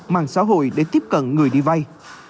mạng xã hội để tiếp cận người đi vay